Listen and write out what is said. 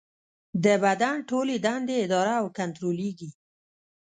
د بدن ټولې دندې اداره او کنټرولېږي.